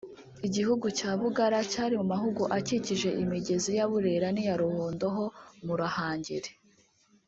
Igihugu cy’u Bugara cyari mu mahugu akikije imigezi ya Burera n’iya Ruhondo ho mu Ruhangeri